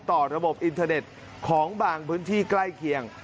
ต่อระบบอินเทอร์เน็ตของบางพื้นที่ใกล้เคียง